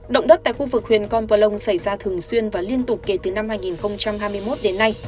động đất tại khu vực huyện con plong xảy ra thường xuyên và liên tục kể từ năm hai nghìn hai mươi một đến nay